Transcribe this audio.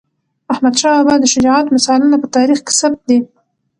احمدشاه بابا د شجاعت مثالونه په تاریخ کې ثبت دي.